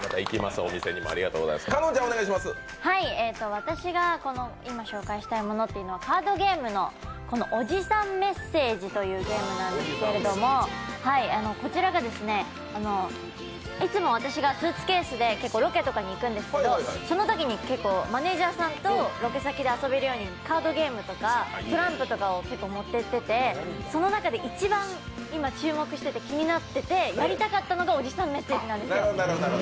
私が今紹介したいものというのはカードゲームの「オジサンメッセージ」というものなんですけどこちらがいつも私がスーツケースで結構ロケとかに行くんですけどそのときに結構マネージャーさんとロケ先で遊べるようにカードゲームとかトランプとかを結構持っていっていてその中で一番今注目していて気になっててやりたかったのが「オジサンメッセージ」なんですよ。